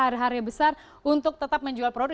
hari hari besar untuk tetap menjual produk